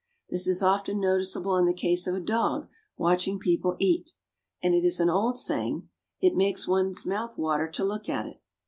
This is often noticeable in the case of a dog watching people eat, and it is an old saying, "It makes one's mouth water to look at it."